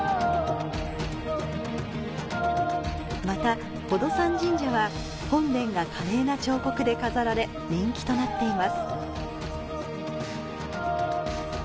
また、宝登山神社は本殿が華麗な彫刻で飾られ人気となっています。